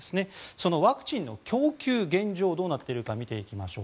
そのワクチンの供給現状、どうなっているか見ていきましょう。